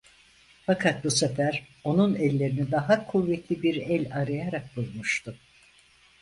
Fakat bu sefer, onun ellerini daha kuvvetli bir el arayarak bulmuştu.